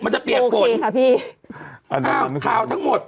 จบเรื่องดอย